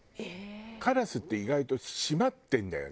カラスって意外と締まってるんだよね。